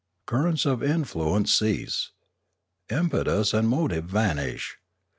Currents of influence cease. Impetus and motive vanish.